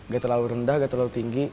gak terlalu rendah gak terlalu tinggi